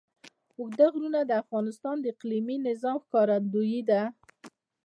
اوږده غرونه د افغانستان د اقلیمي نظام ښکارندوی ده.